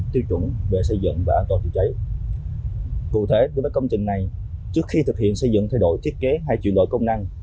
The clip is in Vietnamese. trước khi thực hiện xây dựng thay đổi thiết kế hay chuyển đổi công năng